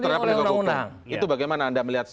terhadap penegak hukum itu bagaimana anda melihat